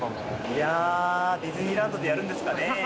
いやー、ディズニーランドでやるんですかね。